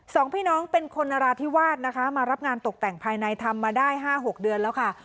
สองพี่น้องเป็นคนนราธิวาสนะคะมารับงานตกแต่งภายในทำมาได้ห้าหกเดือนแล้วค่ะ